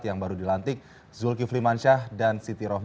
yang baru dilantik zulkifli mansyah dan siti rohmi